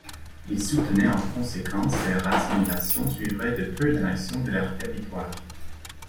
Ils soutenaient en conséquence que leur assimilation suivrait de peu l’annexion de leurs territoires.